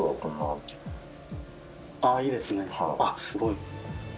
「すごい」